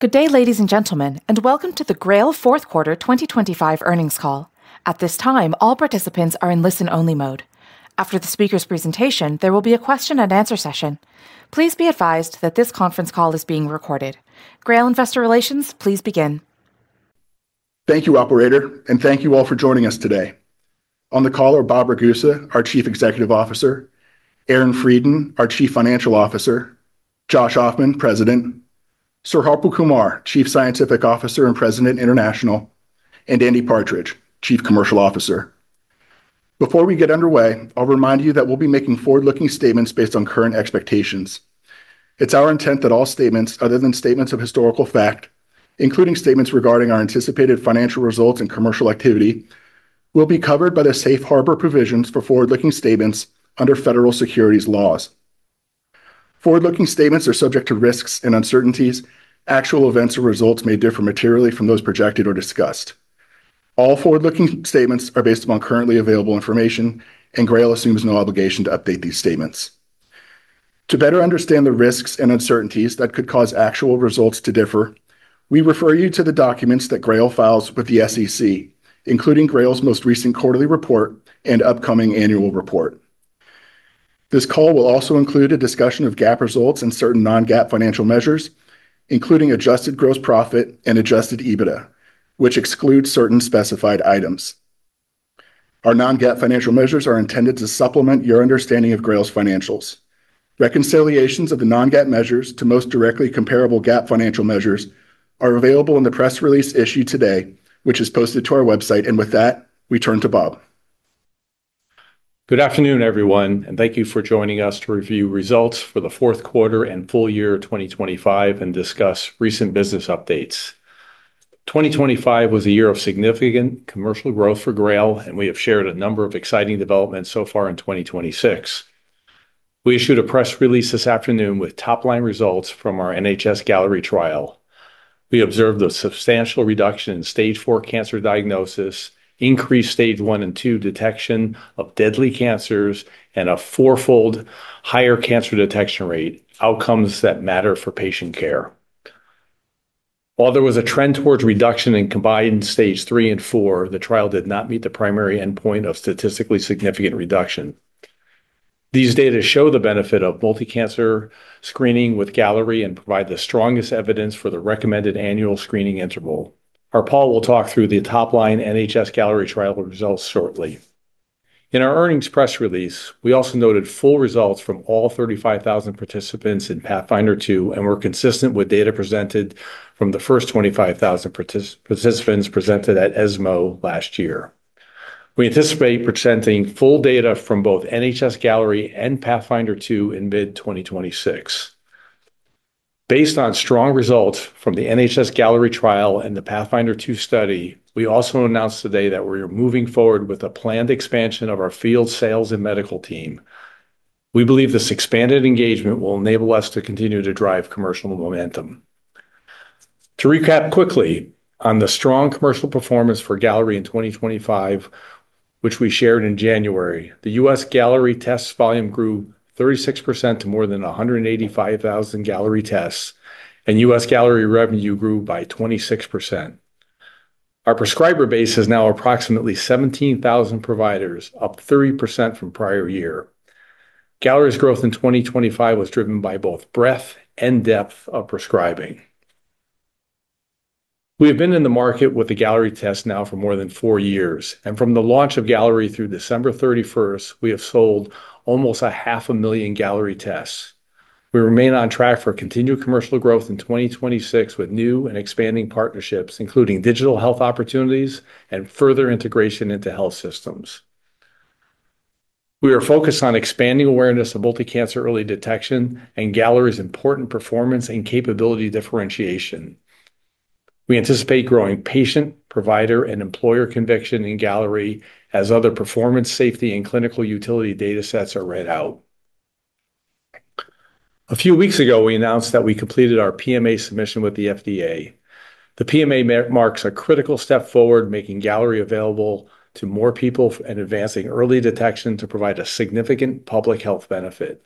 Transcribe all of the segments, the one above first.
Good day, ladies and gentlemen, and welcome to the GRAIL fourth quarter 2025 earnings call. At this time, all participants are in listen-only mode. After the speaker's presentation, there will be a question-and answer session. Please be advised that this conference call is being recorded. GRAIL Investor Relations, please begin. Thank you, operator, and thank you all for joining us today. On the call are Bob Ragusa, our Chief Executive Officer, Aaron Freidin, our Chief Financial Officer, Josh Ofman, President, Sir Harpal Kumar, Chief Scientific Officer and President, International, and Andy Partridge, Chief Commercial Officer. Before we get underway, I'll remind you that we'll be making forward-looking statements based on current expectations. It's our intent that all statements, other than statements of historical fact, including statements regarding our anticipated financial results and commercial activity, will be covered by the safe harbor provisions for forward-looking statements under federal securities laws. Forward-looking statements are subject to risks and uncertainties. Actual events or results may differ materially from those projected or discussed. All forward-looking statements are based upon currently available information, and GRAIL assumes no obligation to update these statements. To better understand the risks and uncertainties that could cause actual results to differ, we refer you to the documents that GRAIL files with the SEC, including GRAIL's most recent quarterly report and upcoming annual report. This call will also include a discussion of GAAP results and certain non-GAAP financial measures, including adjusted gross profit and Adjusted EBITDA, which excludes certain specified items. Our non-GAAP financial measures are intended to supplement your understanding of GRAIL's financials. Reconciliations of the non-GAAP measures to most directly comparable GAAP financial measures are available in the press release issued today, which is posted to our website. With that, we turn to Bob. Good afternoon, everyone, and thank you for joining us to review results for the fourth quarter and full year of 2025 and discuss recent business updates. 2025 was a year of significant commercial growth for GRAIL, and we have shared a number of exciting developments so far in 2026. We issued a press release this afternoon with top-line results from our NHS-Galleri trial. We observed a substantial reduction in Stage IV cancer diagnosis, increased Stage I and II detection of deadly cancers, and a fourfold higher cancer detection rate, outcomes that matter for patient care. While there was a trend towards reduction in combined Stage III and IV, the trial did not meet the primary endpoint of statistically significant reduction. These data show the benefit of multi-cancer screening with Galleri and provide the strongest evidence for the recommended annual screening interval. Harpal will talk through the top-line NHS-Galleri trial results shortly. In our earnings press release, we also noted full results from all 35,000 participants in PATHFINDER 2, and were consistent with data presented from the first 25,000 participants presented at ESMO last year. We anticipate presenting full data from both NHS-Galleri and PATHFINDER 2 in mid-2026. Based on strong results from the NHS-Galleri trial and the PATHFINDER 2 study, we also announced today that we are moving forward with a planned expansion of our field sales and medical team. We believe this expanded engagement will enable us to continue to drive commercial momentum. To recap quickly on the strong commercial performance for Galleri in 2025, which we shared in January, the U.S. Galleri tests volume grew 36% to more than 185,000 Galleri tests, and U.S. Galleri revenue grew by 26%. Our prescriber base is now approximately 17,000 providers, up 30% from prior year. Galleri's growth in 2025 was driven by both breadth and depth of prescribing. We have been in the market with the Galleri test now for more than four years, and from the launch of Galleri through December 31st, we have sold almost 500,000 Galleri tests. We remain on track for continued commercial growth in 2026, with new and expanding partnerships, including digital health opportunities and further integration into health systems. We are focused on expanding awareness of multi-cancer early detection and Galleri's important performance and capability differentiation. We anticipate growing patient, provider, and employer conviction in Galleri as other performance, safety, and clinical utility data sets are read out. A few weeks ago, we announced that we completed our PMA submission with the FDA. The PMA marks a critical step forward, making Galleri available to more people and advancing early detection to provide a significant public health benefit.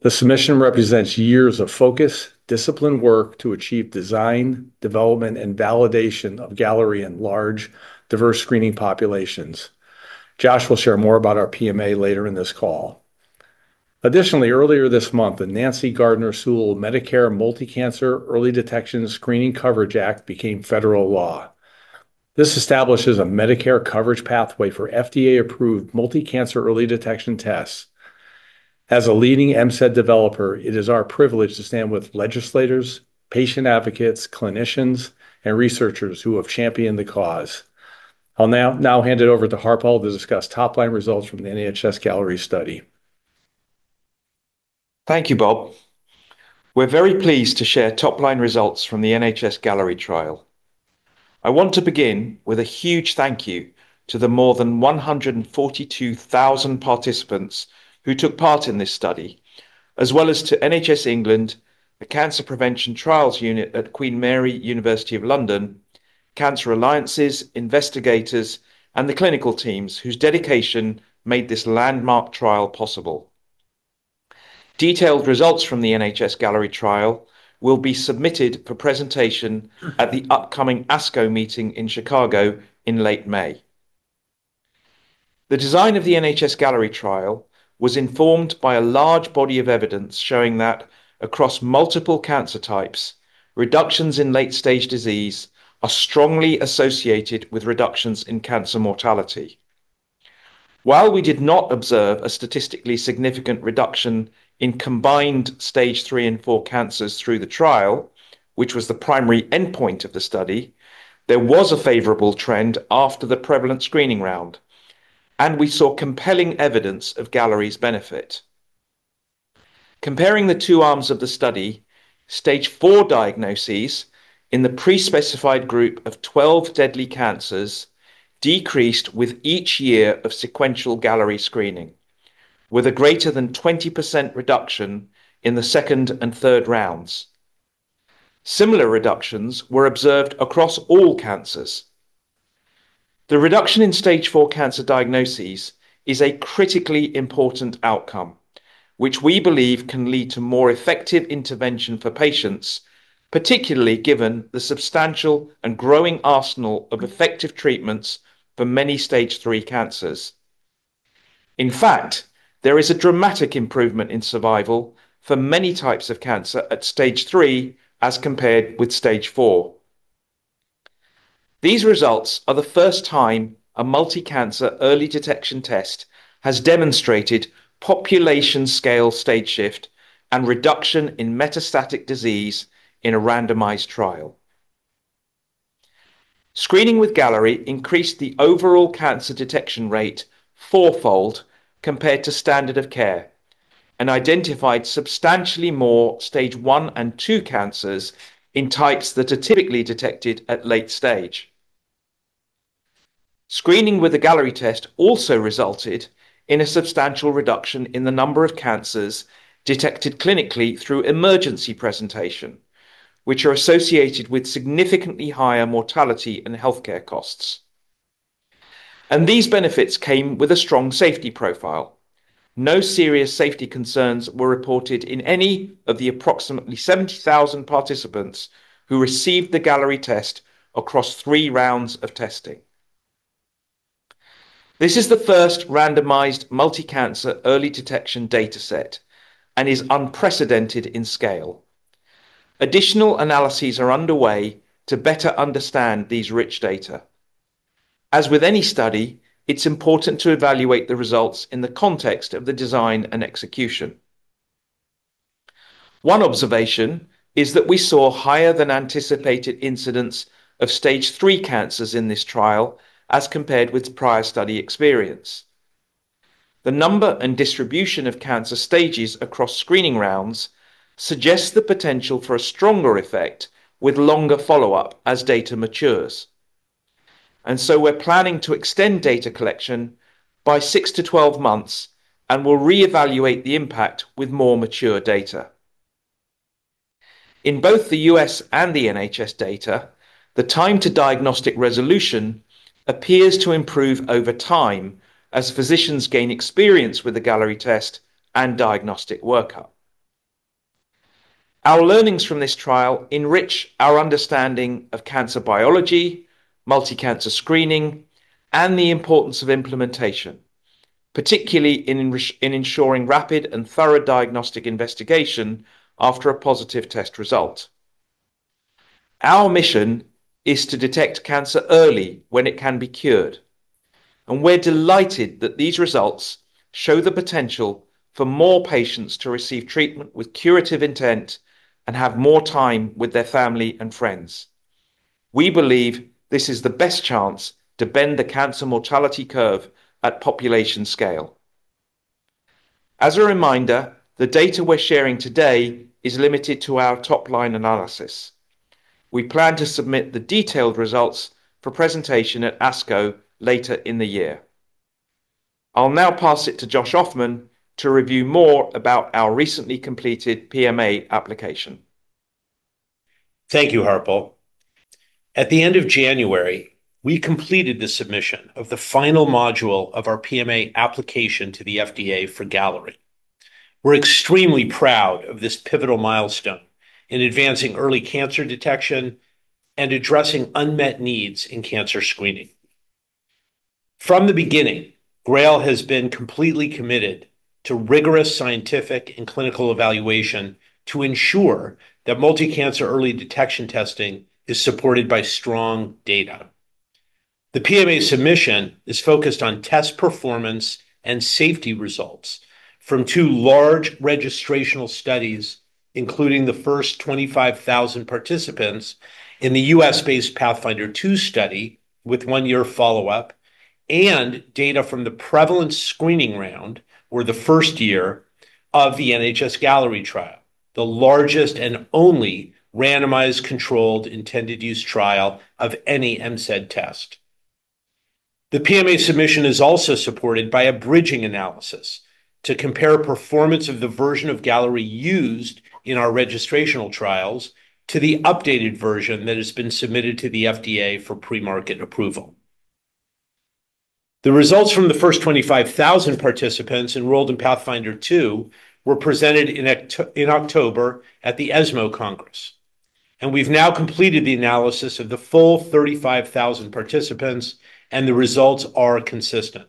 The submission represents years of focused, disciplined work to achieve design, development, and validation of Galleri in large, diverse screening populations. Josh will share more about our PMA later in this call. Additionally, earlier this month, the Nancy Gardner Sewell Medicare Multi-Cancer Early Detection Screening Coverage Act became federal law. This establishes a Medicare coverage pathway for FDA-approved multi-cancer early detection tests. As a leading MCED developer, it is our privilege to stand with legislators, patient advocates, clinicians, and researchers who have championed the cause. I'll now hand it over to Harpal to discuss top-line results from the NHS-Galleri study. Thank you, Bob. We're very pleased to share top-line results from the NHS-Galleri trial. I want to begin with a huge thank you to the more than 142,000 participants who took part in this study, as well as to NHS England, the Cancer Prevention Trials Unit at Queen Mary University of London, cancer alliances, investigators, and the clinical teams whose dedication made this landmark trial possible. Detailed results from the NHS-Galleri trial will be submitted for presentation at the upcoming ASCO meeting in Chicago in late May. The design of the NHS-Galleri trial was informed by a large body of evidence showing that across multiple cancer types, reductions in late-stage disease are strongly associated with reductions in cancer mortality. While we did not observe a statistically significant reduction in combined Stage III and IV cancers through the trial, which was the primary endpoint of the study, there was a favorable trend after the prevalent screening round, and we saw compelling evidence of Galleri's benefit. Comparing the two arms of the study, Stage IV diagnoses in the pre-specified group of 12 deadly cancers decreased with each year of sequential Galleri screening, with a greater than 20% reduction in the second and third rounds. Similar reductions were observed across all cancers. The reduction in Stage IV cancer diagnoses is a critically important outcome, which we believe can lead to more effective intervention for patients, particularly given the substantial and growing arsenal of effective treatments for many Stage III cancers. In fact, there is a dramatic improvement in survival for many types of cancer at Stage III as compared with Stage IV. These results are the first time a multi-cancer early detection test has demonstrated population-scale stage shift and reduction in metastatic disease in a randomized trial. Screening with Galleri increased the overall cancer detection rate fourfold compared to standard of care and identified substantially more Stage I and II cancers in types that are typically detected at late stage. Screening with a Galleri test also resulted in a substantial reduction in the number of cancers detected clinically through emergency presentation, which are associated with significantly higher mortality and healthcare costs. These benefits came with a strong safety profile. No serious safety concerns were reported in any of the approximately 70,000 participants who received the Galleri test across three rounds of testing. This is the first randomized multi-cancer early detection data set and is unprecedented in scale. Additional analyses are underway to better understand these rich data. As with any study, it's important to evaluate the results in the context of the design and execution. One observation is that we saw higher than anticipated incidence of Stage III cancers in this trial as compared with prior study experience. The number and distribution of cancer stages across screening rounds suggests the potential for a stronger effect with longer follow-up as data matures. And so we're planning to extend data collection by six to 12 months and will reevaluate the impact with more mature data. In both the U.S. and the NHS data, the time to diagnostic resolution appears to improve over time as physicians gain experience with the Galleri test and diagnostic workup. Our learnings from this trial enrich our understanding of cancer biology, multi-cancer screening, and the importance of implementation, particularly in ensuring rapid and thorough diagnostic investigation after a positive test result. Our mission is to detect cancer early when it can be cured, and we're delighted that these results show the potential for more patients to receive treatment with curative intent and have more time with their family and friends. We believe this is the best chance to bend the cancer mortality curve at population scale. As a reminder, the data we're sharing today is limited to our top-line analysis. We plan to submit the detailed results for presentation at ASCO later in the year. I'll now pass it to Josh Ofman to review more about our recently completed PMA application. Thank you, Harpal. At the end of January, we completed the submission of the final module of our PMA application to the FDA for Galleri. We're extremely proud of this pivotal milestone in advancing early cancer detection and addressing unmet needs in cancer screening. From the beginning, GRAIL has been completely committed to rigorous scientific and clinical evaluation to ensure that multi-cancer early detection testing is supported by strong data. The PMA submission is focused on test performance and safety results from two large registrational studies, including the first 25,000 participants in the U.S.-based PATHFINDER 2 study, with one-year follow-up, and data from the prevalent screening round or the first year of the NHS-Galleri trial, the largest and only randomized, controlled, intended use trial of any MCED test. The PMA submission is also supported by a bridging analysis to compare performance of the version of Galleri used in our registrational trials to the updated version that has been submitted to the FDA for premarket approval. The results from the first 25,000 participants enrolled in PATHFINDER 2 were presented in October at the ESMO Congress, and we've now completed the analysis of the full 35,000 participants, and the results are consistent.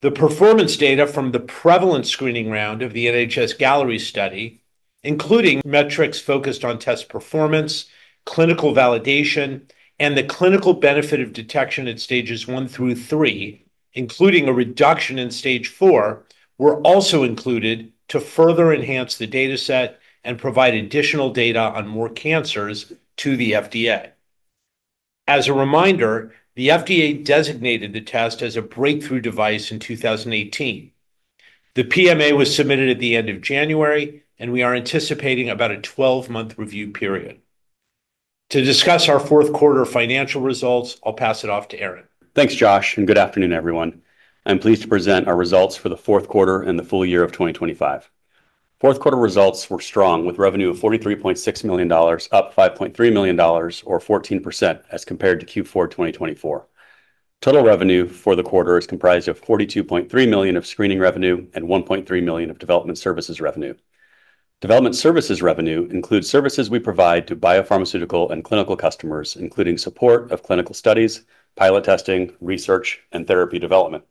The performance data from the prevalent screening round of the NHS-Galleri study, including metrics focused on test performance, clinical validation, and the clinical benefit of detection at Stages I through II, including a reduction in Stage IV, were also included to further enhance the data set and provide additional data on more cancers to the FDA. As a reminder, the FDA designated the test as a Breakthrough Device in 2018. The PMA was submitted at the end of January, and we are anticipating about a 12-month review period. To discuss our fourth quarter financial results, I'll pass it off to Aaron. Thanks, Josh, and good afternoon, everyone. I'm pleased to present our results for the fourth quarter and the full year of 2025. Fourth quarter results were strong, with revenue of $43.6 million, up $5.3 million, or 14%, as compared to Q4 2024. Total revenue for the quarter is comprised of $42.3 million of screening revenue and $1.3 million of development services revenue. Development services revenue includes services we provide to biopharmaceutical and clinical customers, including support of clinical studies, pilot testing, research, and therapy development.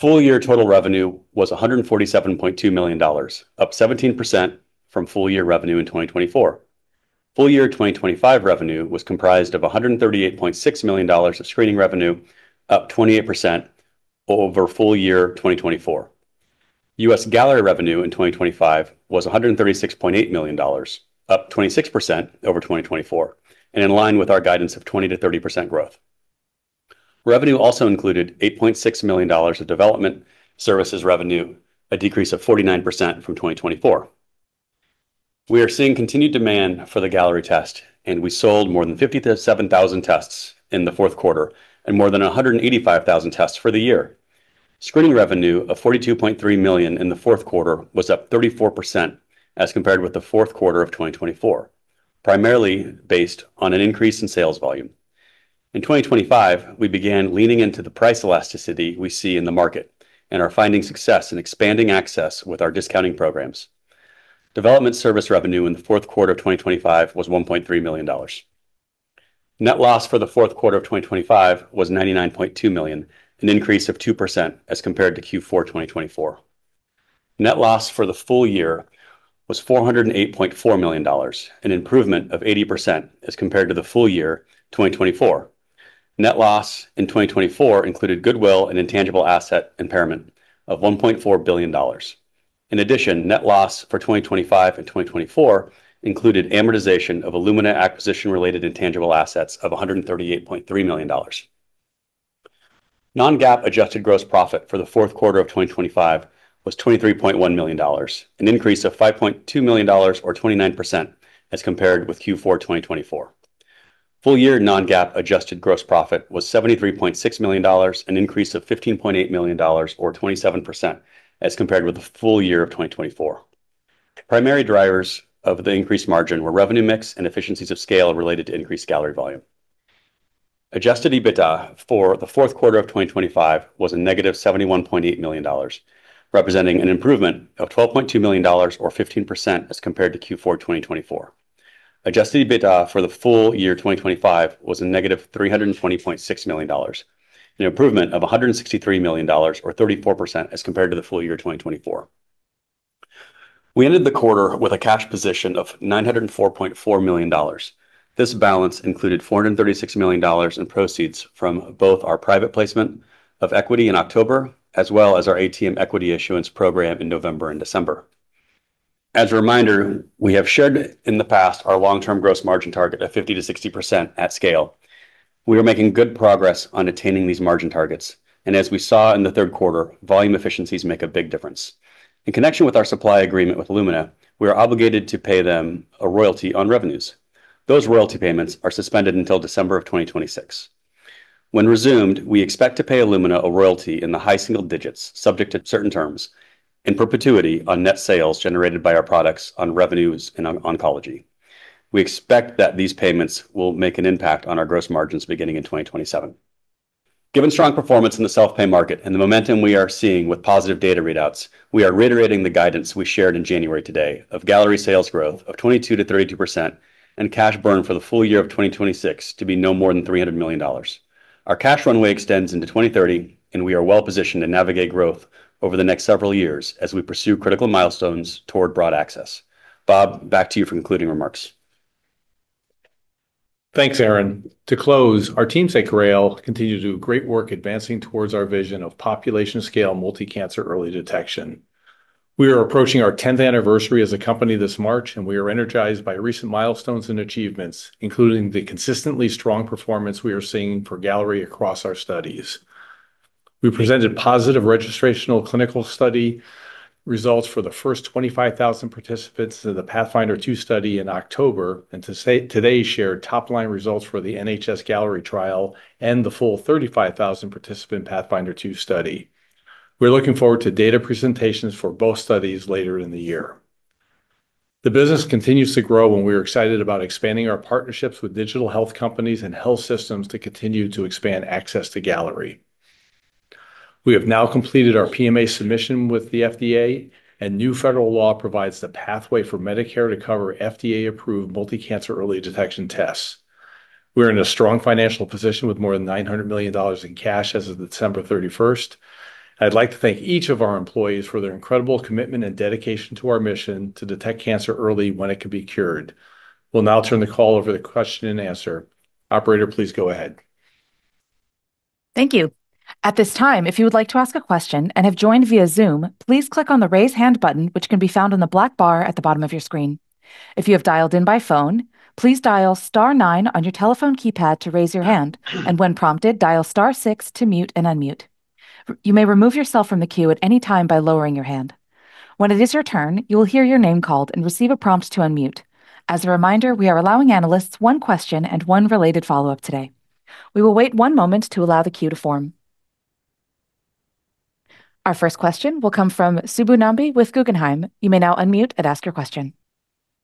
Full year total revenue was $147.2 million, up 17% from full year revenue in 2024. Full year 2025 revenue was comprised of $138.6 million of screening revenue, up 28% over full year 2024. U.S. Galleri revenue in 2025 was $136.8 million, up 26% over 2024, and in line with our guidance of 20%-30% growth. Revenue also included $8.6 million of development services revenue, a decrease of 49% from 2024. We are seeing continued demand for the Galleri test, and we sold more than 57,000 tests in the fourth quarter and more than 185,000 tests for the year. Screening revenue of $42.3 million in the fourth quarter was up 34% as compared with the fourth quarter of 2024, primarily based on an increase in sales volume. In 2025, we began leaning into the price elasticity we see in the market and are finding success in expanding access with our discounting programs. Development service revenue in the fourth quarter of 2025 was $1.3 million. Net loss for the fourth quarter of 2025 was $99.2 million, an increase of 2% as compared to Q4 2024. Net loss for the full year was $408.4 million, an improvement of 80% as compared to the full year 2024. Net loss in 2024 included goodwill and intangible asset impairment of $1.4 billion. In addition, net loss for 2025 and 2024 included amortization of Illumina acquisition-related intangible assets of $138.3 million. Non-GAAP adjusted gross profit for the fourth quarter of 2025 was $23.1 million, an increase of $5.2 million, or 29%, as compared with Q4 2024. Full year non-GAAP adjusted gross profit was $73.6 million, an increase of $15.8 million, or 27%, as compared with the full year of 2024. Primary drivers of the increased margin were revenue mix and efficiencies of scale related to increased Galleri volume. Adjusted EBITDA for the fourth quarter of 2025 was -$71.8 million, representing an improvement of $12.2 million, or 15%, as compared to Q4 2024. Adjusted EBITDA for the full year 2025 was -$320.6 million, an improvement of $163 million, or 34%, as compared to the full year 2024. We ended the quarter with a cash position of $904.4 million. This balance included $436 million in proceeds from both our private placement of equity in October, as well as our ATM equity issuance program in November and December. As a reminder, we have shared in the past our long-term gross margin target of 50%-60% at scale. We are making good progress on attaining these margin targets, and as we saw in the third quarter, volume efficiencies make a big difference. In connection with our supply agreement with Illumina, we are obligated to pay them a royalty on revenues. Those royalty payments are suspended until December of 2026. When resumed, we expect to pay Illumina a royalty in the high single digits, subject to certain terms, in perpetuity on net sales generated by our products on revenues and on oncology. We expect that these payments will make an impact on our gross margins beginning in 2027. Given strong performance in the self-pay market and the momentum we are seeing with positive data readouts, we are reiterating the guidance we shared in January today of Galleri sales growth of 22%-32% and cash burn for the full year of 2026 to be no more than $300 million. Our cash runway extends into 2030, and we are well positioned to navigate growth over the next several years as we pursue critical milestones toward broad access. Bob, back to you for concluding remarks. Thanks, Aaron. To close, our teams at GRAIL continue to do great work advancing towards our vision of population scale multi-cancer early detection. We are approaching our tenth anniversary as a company this March, and we are energized by recent milestones and achievements, including the consistently strong performance we are seeing for Galleri across our studies. We presented positive registrational clinical study results for the first 25,000 participants to the PATHFINDER 2 study in October, and today shared top-line results for the NHS-Galleri trial and the full 35,000-participant PATHFINDER 2 study. We're looking forward to data presentations for both studies later in the year. The business continues to grow, and we are excited about expanding our partnerships with digital health companies and health systems to continue to expand access to Galleri. We have now completed our PMA submission with the FDA, and new federal law provides the pathway for Medicare to cover FDA-approved multi-cancer early detection tests. We're in a strong financial position with more than $900 million in cash as of December 31st. I'd like to thank each of our employees for their incredible commitment and dedication to our mission to detect cancer early when it could be cured. We'll now turn the call over to question and answer. Operator, please go ahead. Thank you. At this time, if you would like to ask a question and have joined via Zoom, please click on the Raise Hand button, which can be found on the black bar at the bottom of your screen. If you have dialed in by phone, please dial star nine on your telephone keypad to raise your hand, and when prompted, dial star six to mute and unmute. You may remove yourself from the queue at any time by lowering your hand. When it is your turn, you will hear your name called and receive a prompt to unmute. As a reminder, we are allowing analysts one question and one related follow-up today. We will wait one moment to allow the queue to form. Our first question will come from Subbu Nambi with Guggenheim. You may now unmute and ask your question.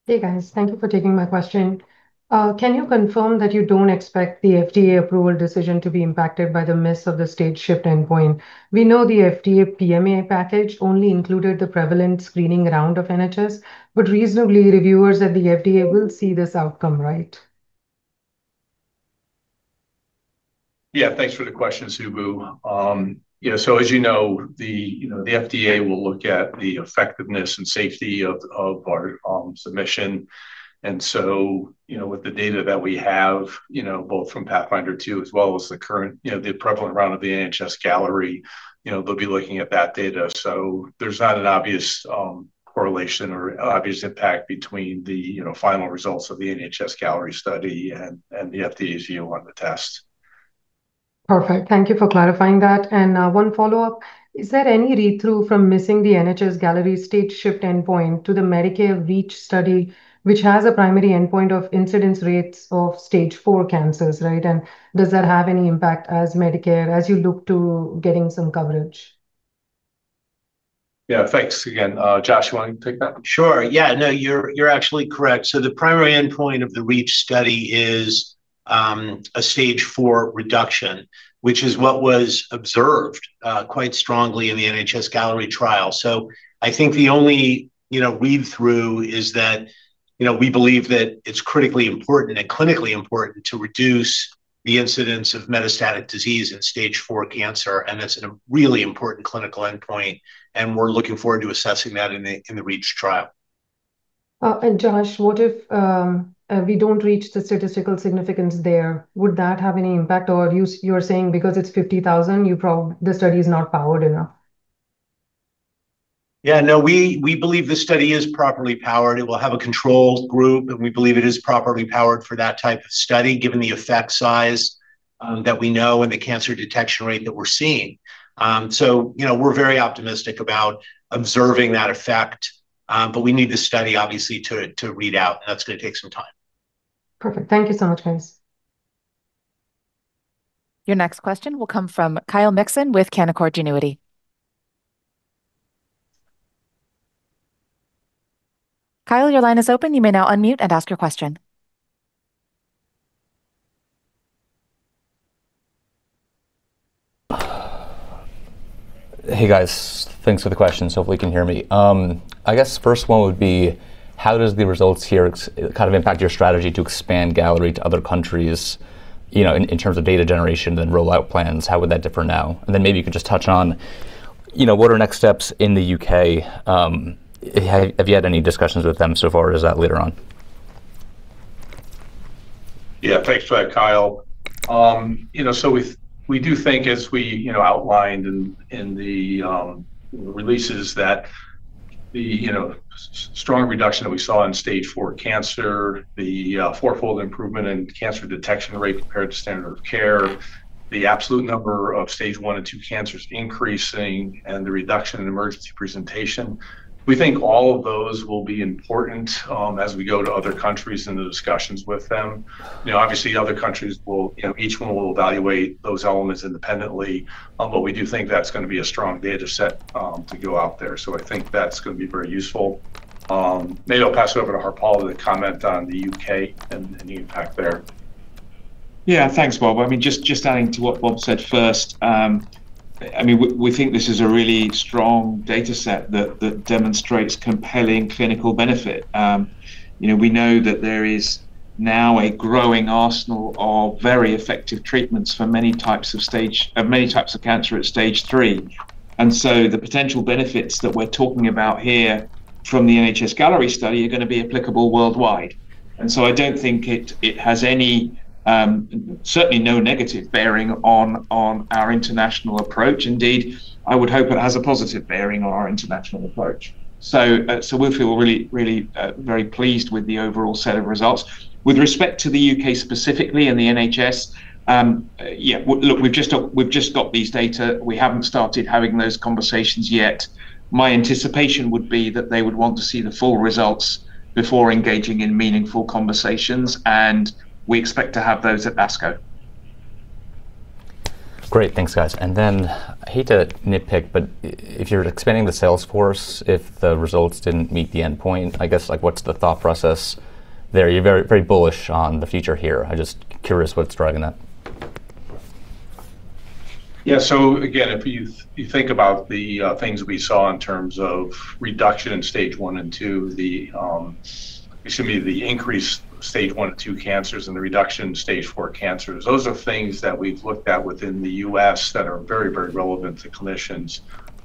Hey, guys. Thank you for taking my question. Can you confirm that you don't expect the FDA approval decision to be impacted by the miss of the stage shift endpoint? We know the FDA PMA package only included the prevalent screening round of NHS, but reasonably, reviewers at the FDA will see this outcome, right? Yeah. Thanks for the question, Subbu. Yeah, so as you know, you know, the FDA will look at the effectiveness and safety of our submission. And so, you know, with the data that we have, you know, both from PATHFINDER 2 as well as the current, you know, the prevalent round of the NHS-Galleri, you know, they'll be looking at that data. So there's not an obvious correlation or obvious impact between the, you know, final results of the NHS-Galleri study and the FDA's view on the test. Perfect. Thank you for clarifying that. And, one follow-up: Is there any read-through from missing the NHS-Galleri stage shift endpoint to the Medicare REACH study, which has a primary endpoint of incidence rates of Stage IV cancers, right? And does that have any impact as Medicare, as you look to getting some coverage? Yeah. Thanks again. Josh, you want to take that? Sure, yeah. No, you're, you're actually correct. So the primary endpoint of the REACH study is a Stage IV reduction, which is what was observed quite strongly in the NHS-Galleri trial. So I think the only, you know, read-through is that, you know, we believe that it's critically important and clinically important to reduce the incidence of metastatic disease in Stage IV cancer, and it's a really important clinical endpoint, and we're looking forward to assessing that in the REACH trial. And Josh, what if we don't reach the statistical significance there? Would that have any impact, or you're saying because it's 50,000, the study is not powered enough? Yeah, no, we believe the study is properly powered. It will have a control group, and we believe it is properly powered for that type of study, given the effect size that we know and the cancer detection rate that we're seeing. So, you know, we're very optimistic about observing that effect, but we need the study, obviously, to read out, and that's going to take some time. Perfect. Thank you so much, guys. Your next question will come from Kyle Mixon with Canaccord Genuity. Kyle, your line is open. You may now unmute and ask your question. Hey, guys. Thanks for the question, so hopefully you can hear me. I guess first one would be: How does the results here kind of impact your strategy to expand Galleri to other countries, you know, in terms of data generation and rollout plans? How would that differ now? And then maybe you could just touch on, you know, what are next steps in the U.K.? Have you had any discussions with them so far, or is that later on? Yeah. Thanks for that, Kyle. You know, so we do think, as we outlined in the releases, that the strong reduction that we saw in Stage IV cancer, the fourfold improvement in cancer detection rate compared to standard of care, the absolute number of Stage I and II cancers increasing, and the reduction in emergency presentation, we think all of those will be important as we go to other countries in the discussions with them. You know, obviously, other countries will, you know, each one will evaluate those elements independently, but we do think that's going to be a strong data set to go out there. So I think that's going to be very useful. Maybe I'll pass it over to Harpal to comment on the U.K. and the impact there. Yeah. Thanks, Bob. I mean, just, just adding to what Bob said first, I mean, we, we think this is a really strong data set that, that demonstrates compelling clinical benefit. You know, we know that there is now a growing arsenal of very effective treatments for many types of stage- many types of cancer at Stage III, and so the potential benefits that we're talking about here from the NHS-Galleri study are going to be applicable worldwide. And so I don't think it, it has any, certainly no negative bearing on, our international approach. Indeed, I would hope it has a positive bearing on our international approach. So, so we feel really, really, very pleased with the overall set of results. With respect to the U.K. specifically and the NHS, yeah, well, look, we've just got, we've just got these data. We haven't started having those conversations yet. My anticipation would be that they would want to see the full results before engaging in meaningful conversations, and we expect to have those at ASCO. Great, thanks guys. And then I hate to nitpick, but if you're expanding the sales force, if the results didn't meet the endpoint, I guess, like, what's the thought process there? You're very, very bullish on the future here. I'm just curious what's driving that. Yeah. So again, if you, you think about the, things we saw in terms of reduction in Stage I and II, the, excuse me, the increased Stage I and II cancers and the reduction in Stage IV cancers, those are things that we've looked at within the U.S. that are very, very relevant to clinicians.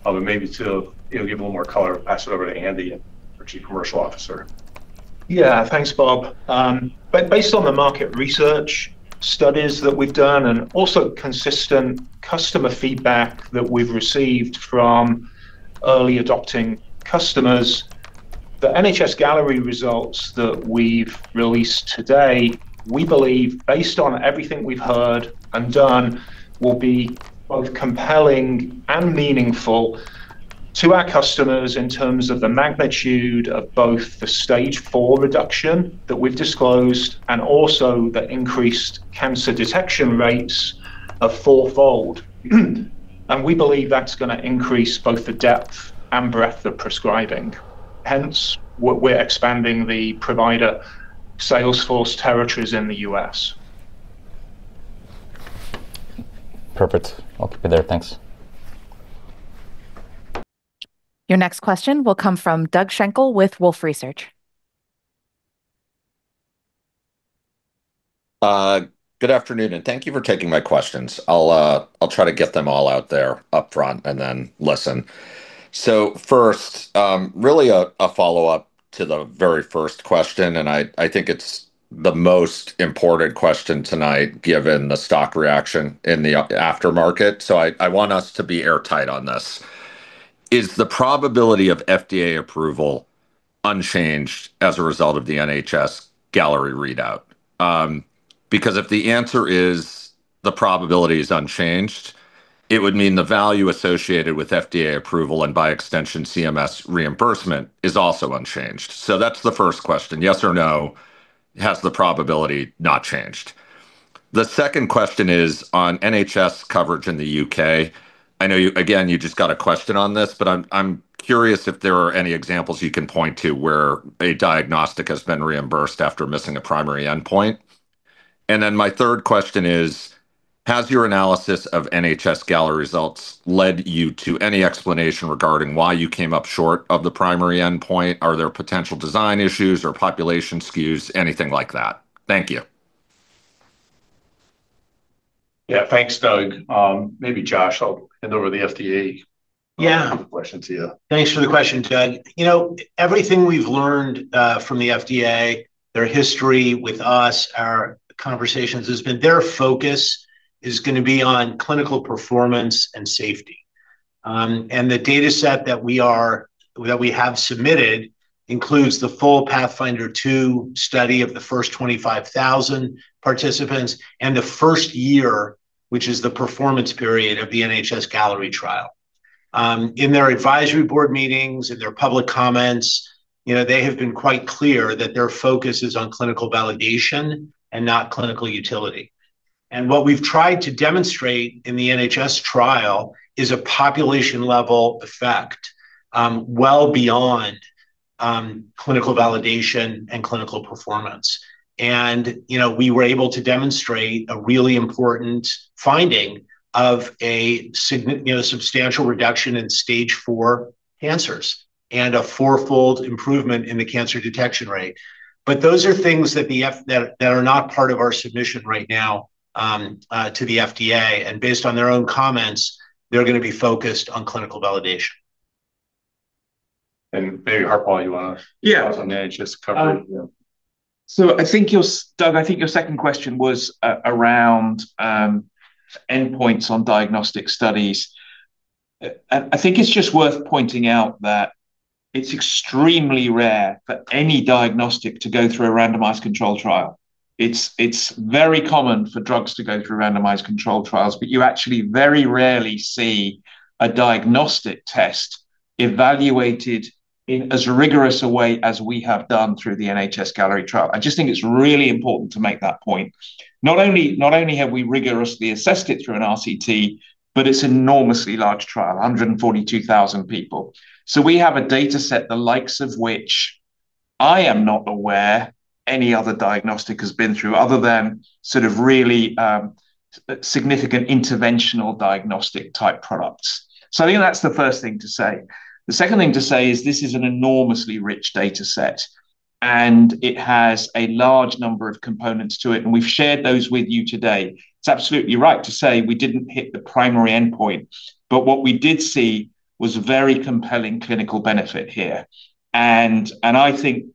And maybe to, you know, give a little more color, pass it over to Andy, our Chief Commercial Officer. Yeah. Thanks, Bob. Based on the market research studies that we've done and also consistent customer feedback that we've received from early adopting customers, the NHS-Galleri results that we've released today, we believe, based on everything we've heard and done, will be both compelling and meaningful to our customers in terms of the magnitude of both the Stage IV reduction that we've disclosed and also the increased cancer detection rates of fourfold. And we believe that's gonna increase both the depth and breadth of prescribing, hence, why we're expanding the provider sales force territories in the U.S. Perfect. I'll keep it there. Thanks. Your next question will come from Doug Schenkel with Wolfe Research. Good afternoon, and thank you for taking my questions. I'll try to get them all out there upfront and then listen. So first, really a follow-up to the very first question, and I think it's the most important question tonight, given the stock reaction in the after market. So I want us to be airtight on this. Is the probability of FDA approval unchanged as a result of the NHS-Galleri readout? Because if the answer is the probability is unchanged, it would mean the value associated with FDA approval, and by extension, CMS reimbursement, is also unchanged. So that's the first question. Yes or no, has the probability not changed? The second question is on NHS coverage in the U.K. I know you. Again, you just got a question on this, but I'm curious if there are any examples you can point to where a diagnostic has been reimbursed after missing a primary endpoint. And then my third question is: has your analysis of NHS-Galleri results led you to any explanation regarding why you came up short of the primary endpoint? Are there potential design issues or population skews, anything like that? Thank you. Yeah. Thanks, Doug. Maybe Josh, I'll hand over the FDA. Yeah Question to you. Thanks for the question, Doug. You know, everything we've learned from the FDA, their history with us, our conversations, has been their focus is gonna be on clinical performance and safety. And the dataset that we have submitted includes the full PATHFINDER 2 study of the first 25,000 participants and the first year, which is the performance period of the NHS-Galleri trial. In their advisory board meetings, in their public comments, you know, they have been quite clear that their focus is on clinical validation and not clinical utility. And what we've tried to demonstrate in the NHS trial is a population-level effect, well beyond clinical validation and clinical performance. You know, we were able to demonstrate a really important finding of a substantial reduction in Stage IV cancers and a fourfold improvement in the cancer detection rate. But those are things that are not part of our submission right now to the FDA, and based on their own comments, they're gonna be focused on clinical validation. Maybe, Harpal, you wanna. Yeah on the NHS coverage? So I think, Doug, I think your second question was around endpoints on diagnostic studies. I think it's just worth pointing out that it's extremely rare for any diagnostic to go through a randomized controlled trial. It's very common for drugs to go through randomized controlled trials, but you actually very rarely see a diagnostic test evaluated in as rigorous a way as we have done through the NHS-Galleri trial. I just think it's really important to make that point. Not only, not only have we rigorously assessed it through an RCT, but it's an enormously large trial, 142,000 people. So we have a data set, the likes of which I am not aware any other diagnostic has been through, other than sort of really significant interventional diagnostic-type products. So I think that's the first thing to say. The second thing to say is this is an enormously rich data set, and it has a large number of components to it, and we've shared those with you today. It's absolutely right to say we didn't hit the primary endpoint, but what we did see was very compelling clinical benefit here. And I think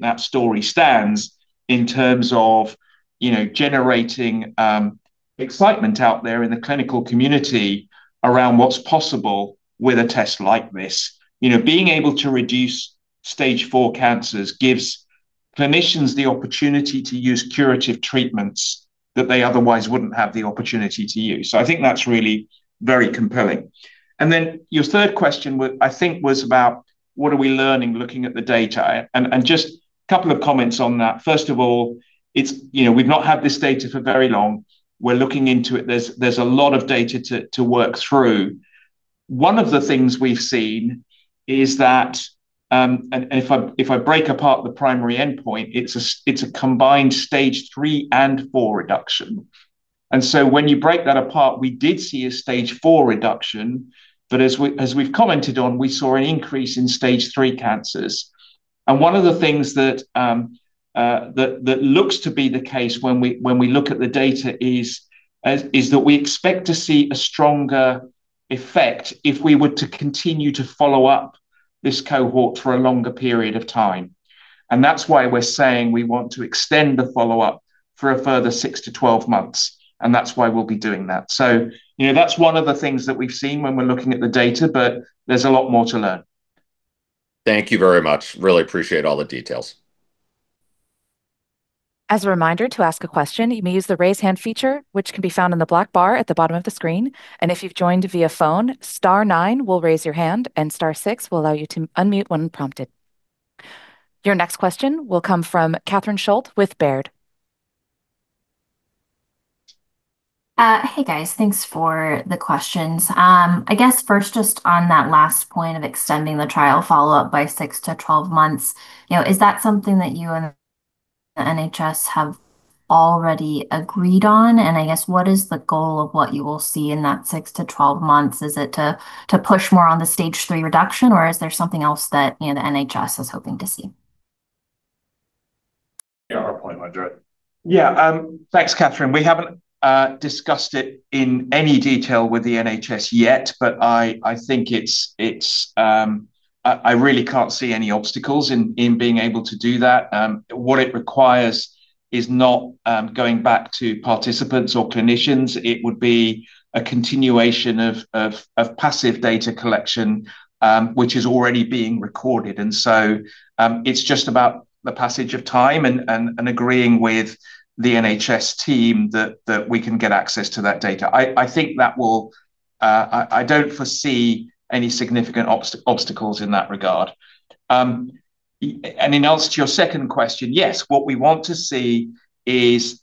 that story stands in terms of, you know, generating excitement out there in the clinical community around what's possible with a test like this. You know, being able to reduce Stage IV cancers gives clinicians the opportunity to use curative treatments that they otherwise wouldn't have the opportunity to use. So I think that's really very compelling. And then your third question was, I think, about what are we learning looking at the data? And just a couple of comments on that. First of all, it's, you know, we've not had this data for very long. We're looking into it. There's a lot of data to work through. One of the things we've seen is that, and if I break apart the primary endpoint, it's a combined Stage III and IV reduction. And so when you break that apart, we did see a Stage IV reduction, but as we've commented on, we saw an increase in Stage III cancers. And one of the things that looks to be the case when we look at the data is that we expect to see a stronger effect if we were to continue to follow up this cohort for a longer period of time. And that's why we're saying we want to extend the follow-up for a further six to 12 months, and that's why we'll be doing that. So, you know, that's one of the things that we've seen when we're looking at the data, but there's a lot more to learn. Thank you very much. Really appreciate all the details. As a reminder, to ask a question, you may use the Raise Hand feature, which can be found in the black bar at the bottom of the screen. If you've joined via phone, star nine will raise your hand, and star six will allow you to unmute when prompted. Your next question will come from Catherine Schulte with Baird. Hey, guys. Thanks for the questions. I guess first, just on that last point of extending the trial follow-up by six to 12 months, you know, is that something that you and the NHS have already agreed on? And I guess, what is the goal of what you will see in that six to 12 months? Is it to push more on the Stage III reduction, or is there something else that, you know, the NHS is hoping to see? Yeah, our point, Andy. Yeah, thanks, Catherine. We haven't discussed it in any detail with the NHS yet, but I think it's, I really can't see any obstacles in being able to do that. What it requires is not going back to participants or clinicians. It would be a continuation of passive data collection, which is already being recorded. And so, it's just about the passage of time and agreeing with the NHS team that we can get access to that data. I think that will, I don't foresee any significant obstacles in that regard. And in answer to your second question, yes, what we want to see is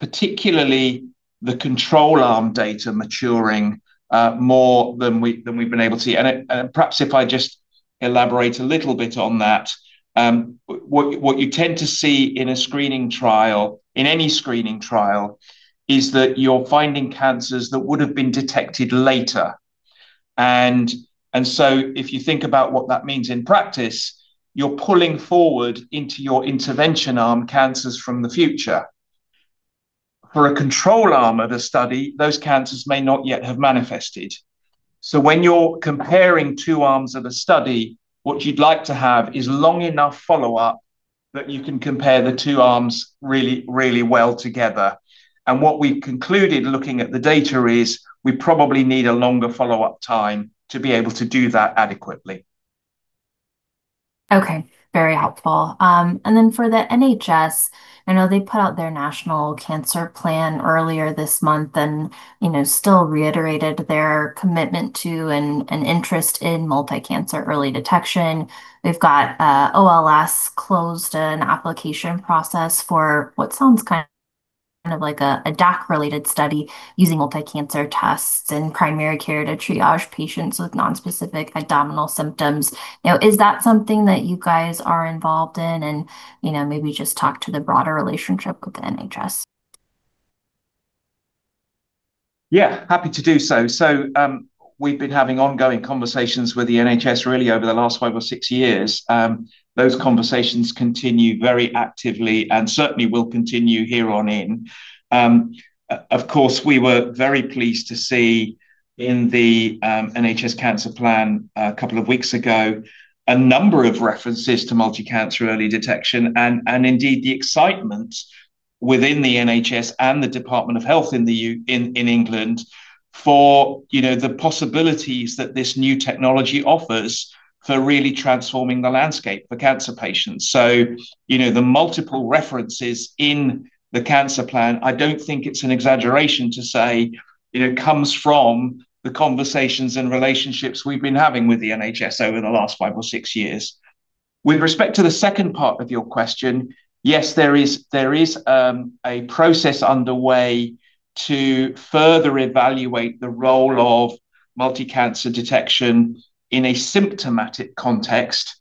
particularly the control arm data maturing more than we've been able to see. Perhaps if I just elaborate a little bit on that, what you tend to see in a screening trial, in any screening trial, is that you're finding cancers that would've been detected later. And so if you think about what that means in practice, you're pulling forward into your intervention arm cancers from the future. For a control arm of a study, those cancers may not yet have manifested. So when you're comparing two arms of a study, what you'd like to have is long enough follow-up that you can compare the two arms really, really well together. What we've concluded looking at the data is, we probably need a longer follow-up time to be able to do that adequately. Okay, very helpful. And then for the NHS, I know they put out their national cancer plan earlier this month and, you know, still reiterated their commitment to, and interest in multi-cancer early detection. They've got NHS closed an application process for what sounds kind of like a doc-related study using multi-cancer tests in primary care to triage patients with non-specific abdominal symptoms. Now, is that something that you guys are involved in? And, you know, maybe just talk to the broader relationship with the NHS. Yeah, happy to do so. So, we've been having ongoing conversations with the NHS really over the last five or six years. Those conversations continue very actively and certainly will continue here on in. Of course, we were very pleased to see in the NHS cancer plan a couple of weeks ago, a number of references to multi-cancer early detection and indeed, the excitement within the NHS and the Department of Health in England for, you know, the possibilities that this new technology offers for really transforming the landscape for cancer patients. So, you know, the multiple references in the cancer plan, I don't think it's an exaggeration to say, you know, comes from the conversations and relationships we've been having with the NHS over the last five or six years. With respect to the second part of your question, yes, there is a process underway to further evaluate the role of multi-cancer detection in a symptomatic context,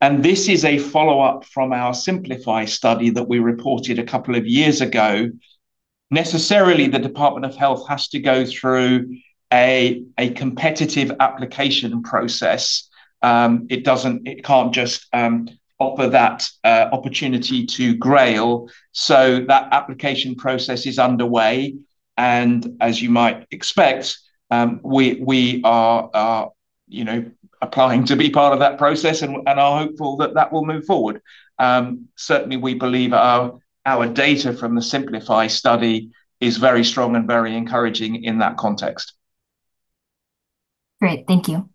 and this is a follow-up from our SYMPLIFY study that we reported a couple of years ago. Necessarily, the Department of Health has to go through a competitive application process. It doesn't. It can't just offer that opportunity to GRAIL. So that application process is underway, and as you might expect, we are, you know, applying to be part of that process and are hopeful that that will move forward. Certainly, we believe our data from the SYMPLIFY study is very strong and very encouraging in that context. Great, thank you.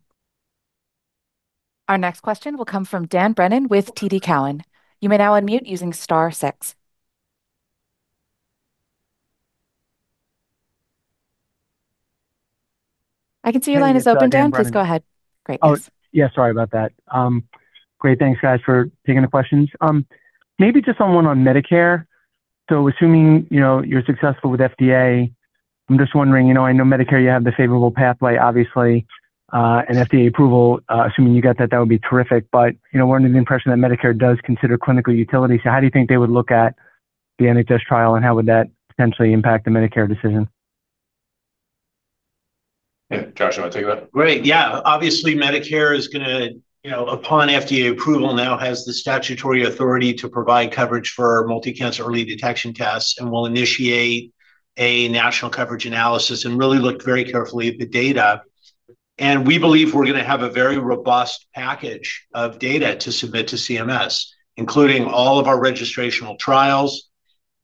Our next question will come from Dan Brennan with TD Cowen. You may now unmute using star six. I can see your line is open, Dan, please go ahead. Great. Oh, yeah, sorry about that. Great. Thanks, guys, for taking the questions. Maybe just on one on Medicare. So assuming, you know, you're successful with FDA, I'm just wondering, you know, I know Medicare, you have the favorable pathway, obviously, and FDA approval, assuming you got that, that would be terrific. But, you know, we're under the impression that Medicare does consider clinical utility. So how do you think they would look at the NHS trial, and how would that potentially impact the Medicare decision? Hey, Josh, you want to take that? Great. Yeah. Obviously, Medicare is gonna, you know, upon FDA approval, now has the statutory authority to provide coverage for multi-cancer early detection tests and will initiate a national coverage analysis and really look very carefully at the data. And we believe we're gonna have a very robust package of data to submit to CMS, including all of our registrational trials,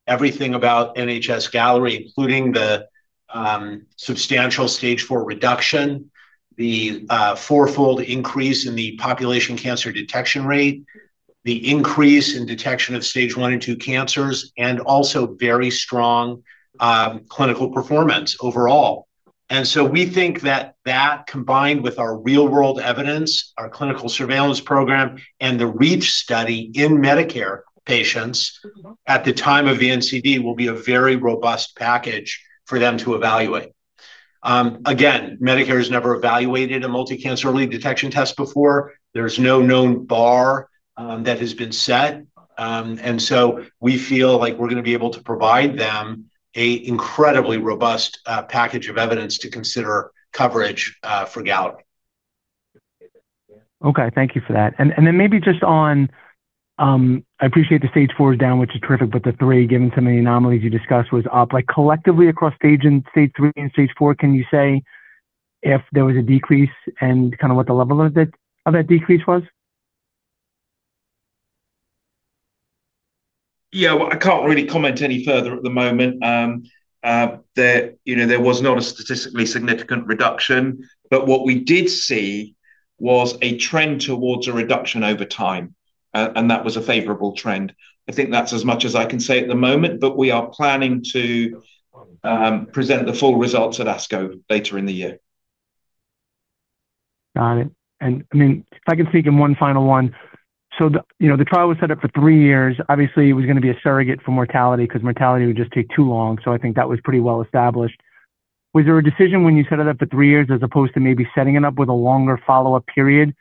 everything about NHS-Galleri, including the substantial Stage IV reduction, the fourfold increase in the population cancer detection rate, the increase in detection of Stage I and II cancers, and also very strong clinical performance overall. And so we think that that, combined with our real-world evidence, our clinical surveillance program, and the REACH study in Medicare patients at the time of the NCD, will be a very robust package for them to evaluate. Again, Medicare has never evaluated a multi-cancer early detection test before. There's no known bar that has been set. And so we feel like we're gonna be able to provide them a incredibly robust package of evidence to consider coverage for Galleri. Okay, thank you for that. And then maybe just on, I appreciate the Stage IV is down, which is terrific, but the III, given some of the anomalies you discussed, was up. Like, collectively across stage and Stage III and Stage IV, can you say if there was a decrease and kind of what the level of that, of that decrease was? Yeah, well, I can't really comment any further at the moment. You know, there was not a statistically significant reduction, but what we did see was a trend towards a reduction over time, and that was a favorable trend. I think that's as much as I can say at the moment, but we are planning to present the full results at ASCO later in the year. Got it. And, I mean, if I can sneak in one final one. So the, you know, the trial was set up for three years. Obviously, it was gonna be a surrogate for mortality because mortality would just take too long. So I think that was pretty well established. Was there a decision when you set it up for three years as opposed to maybe setting it up with a longer follow-up period,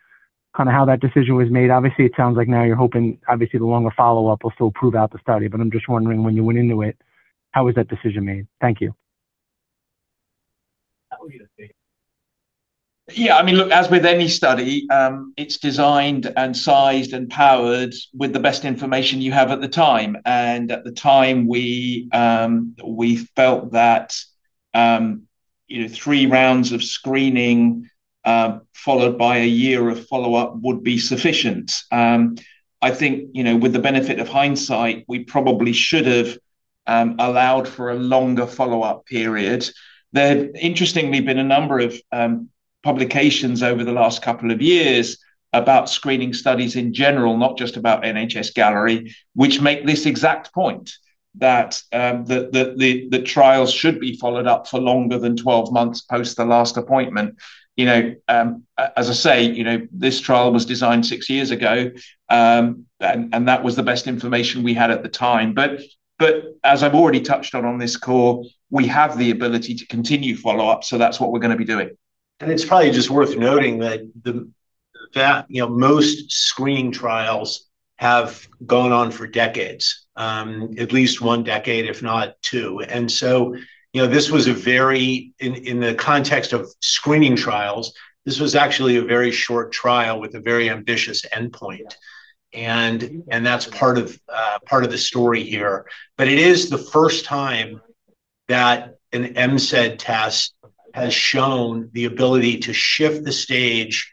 kind of how that decision was made? Obviously, it sounds like now you're hoping obviously the longer follow-up will still prove out the study. But I'm just wondering, when you went into it, how was that decision made? Thank you. Yeah, I mean, look, as with any study, it's designed and sized and powered with the best information you have at the time. And at the time we, we felt that, you know, three rounds of screening, followed by a year of follow-up would be sufficient. I think, you know, with the benefit of hindsight, we probably should have allowed for a longer follow-up period. There have interestingly been a number of publications over the last couple of years about screening studies in general, not just about NHS-Galleri, which make this exact point, that the trials should be followed up for longer than 12 months post the last appointment. You know, as I say, you know, this trial was designed six years ago, and that was the best information we had at the time. But as I've already touched on on this call, we have the ability to continue follow-up, so that's what we're gonna be doing. It's probably just worth noting that, you know, most screening trials have gone on for decades, at least one decade, if not two. And so, you know, this was a very short trial in the context of screening trials. This was actually a very short trial with a very ambitious endpoint, and that's part of the story here. But it is the first time that an MCED test has shown the ability to shift the stage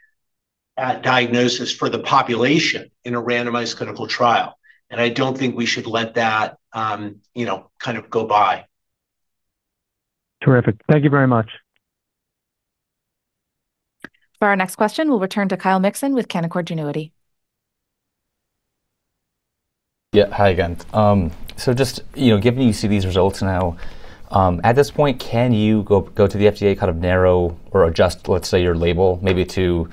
at diagnosis for the population in a randomized clinical trial. And I don't think we should let that, you know, kind of go by. Terrific. Thank you very much. For our next question, we'll return to Kyle Mixon with Canaccord Genuity. Yeah. Hi again. So just, you know, given you see these results now, at this point, can you go to the FDA, kind of narrow or adjust, let's say, your label, maybe to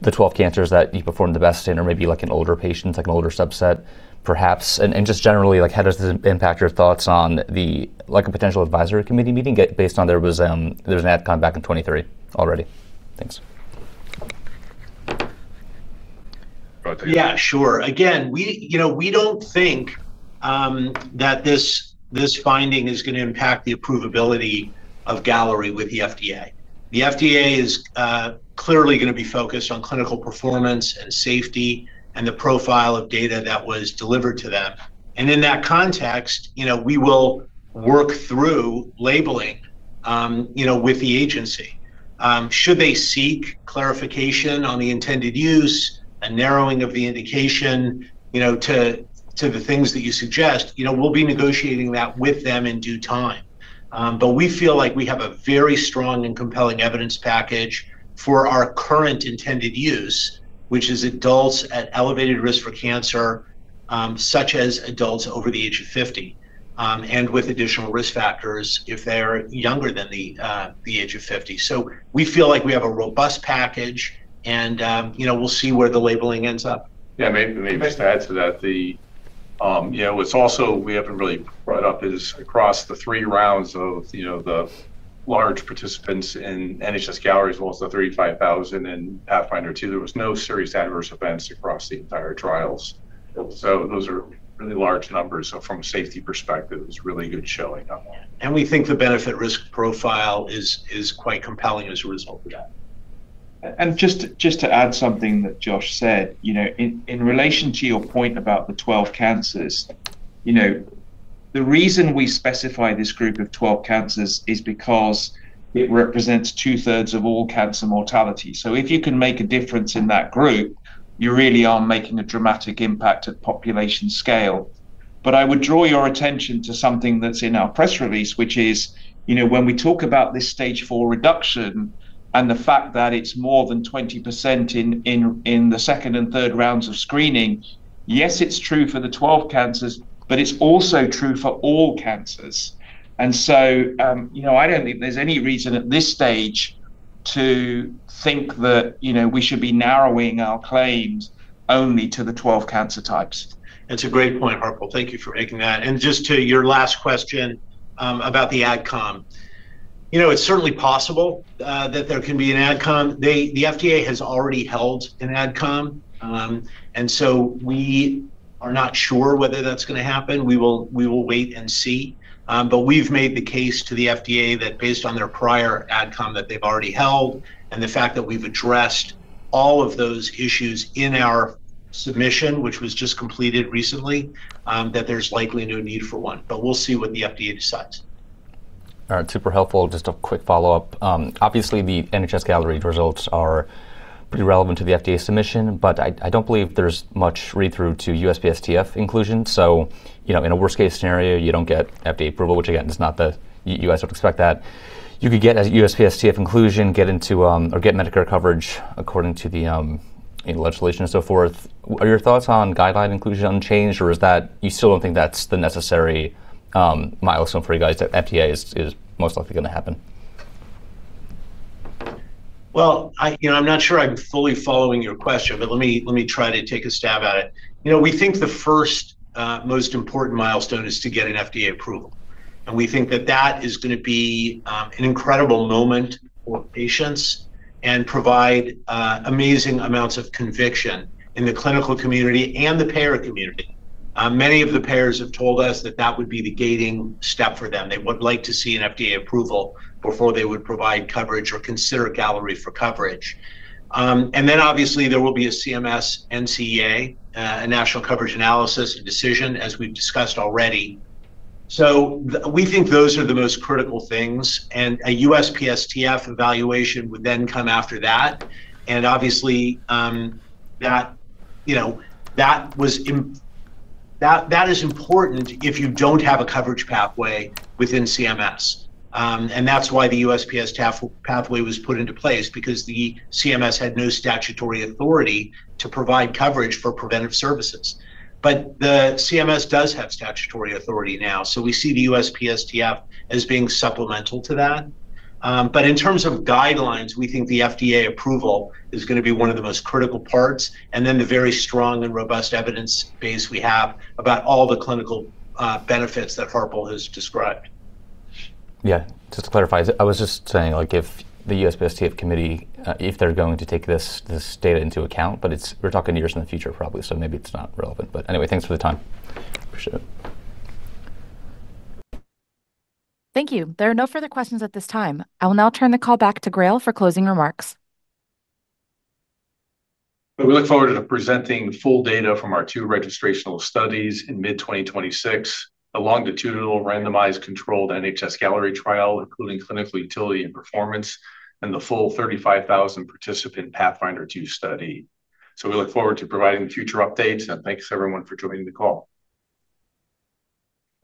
the 12 cancers that you performed the best in, or maybe, like, in older patients, like an older subset, perhaps? And just generally, like, how does this impact your thoughts on the, like, a potential advisory committee meeting get based on there was, there's an AdCom back in 2023 already. Thanks. Yeah, sure. Again, we, you know, we don't think that this, this finding is gonna impact the approvability of Galleri with the FDA. The FDA is clearly gonna be focused on clinical performance and safety and the profile of data that was delivered to them. And in that context, you know, we will work through labeling, you know, with the agency. Should they seek clarification on the intended use, a narrowing of the indication, you know, to, to the things that you suggest, you know, we'll be negotiating that with them in due time. But we feel like we have a very strong and compelling evidence package for our current intended use, which is adults at elevated risk for cancer, such as adults over the age of 50, and with additional risk factors if they're younger than the age of 50. So we feel like we have a robust package, and, you know, we'll see where the labeling ends up. Yeah, may I just add to that the, you know, it's also we haven't really brought up is across the three rounds of, you know, the large participants in NHS-Galleri, as well as the 35,000 in PATHFINDER 2, there was no serious adverse events across the entire trials. So those are really large numbers. So from a safety perspective, it was a really good showing on that. We think the benefit risk profile is quite compelling as a result of that. Just to add something that Josh said, you know, in relation to your point about the 12 cancers, you know, the reason we specify this group of 12 cancers is because it represents two-thirds of all cancer mortality. So if you can make a difference in that group, you really are making a dramatic impact at population scale. But I would draw your attention to something that's in our press release, which is, you know, when we talk about this Stage IV reduction and the fact that it's more than 20% in the second and third rounds of screening, yes, it's true for the 12 cancers, but it's also true for all cancers. And so, you know, I don't think there's any reason at this stage to think that, you know, we should be narrowing our claims only to the 12 cancer types. It's a great point, Harpal. Thank you for making that. Just to your last question, about the AdCom. You know, it's certainly possible that there can be an AdCom. The FDA has already held an AdCom, and so we are not sure whether that's gonna happen. We will, we will wait and see. But we've made the case to the FDA that based on their prior AdCom that they've already held, and the fact that we've addressed all of those issues in our submission, which was just completed recently, that there's likely no need for one, but we'll see what the FDA decides. All right, super helpful. Just a quick follow-up. Obviously, the NHS-Galleri results are pretty relevant to the FDA submission, but I don't believe there's much read-through to USPSTF inclusion. So, you know, in a worst-case scenario, you don't get FDA approval, which again, is not the you guys would expect that. You could get a USPSTF inclusion, get into, or get Medicare coverage according to the legislation and so forth. Are your thoughts on guideline inclusion unchanged, or is that you still don't think that's the necessary milestone for you guys, that FDA is most likely gonna happen? Well, you know, I'm not sure I'm fully following your question, but let me try to take a stab at it. You know, we think the first most important milestone is to get an FDA approval, and we think that that is gonna be an incredible moment for patients and provide amazing amounts of conviction in the clinical community and the payer community. Many of the payers have told us that that would be the gating step for them. They would like to see an FDA approval before they would provide coverage or consider Galleri for coverage. And then obviously, there will be a CMS NCA, a National Coverage Analysis, a decision, as we've discussed already. So we think those are the most critical things, and a USPSTF evaluation would then come after that, and obviously, that, you know, that is important if you don't have a coverage pathway within CMS. And that's why the USPSTF pathway was put into place because the CMS had no statutory authority to provide coverage for preventive services. But the CMS does have statutory authority now, so we see the USPSTF as being supplemental to that. But in terms of guidelines, we think the FDA approval is gonna be one of the most critical parts, and then the very strong and robust evidence base we have about all the clinical benefits that Harpal has described. Yeah. Just to clarify, I was just saying, like, if the USPSTF committee, if they're going to take this, this data into account, but it's, we're talking years in the future, probably, so maybe it's not relevant. But anyway, thanks for the time. Appreciate it. Thank you. There are no further questions at this time. I will now turn the call back to GRAIL for closing remarks. We look forward to presenting the full data from our two registrational studies in mid-2026, a longitudinal randomized controlled NHS-Galleri trial, including clinical utility and performance, and the full 35,000 participant PATHFINDER 2 study. We look forward to providing future updates, and thanks, everyone, for joining the call.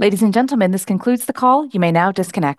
Ladies and gentlemen, this concludes the call. You may now disconnect.